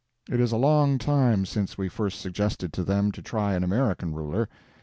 It is a long time since we first suggested to them to try an American ruler.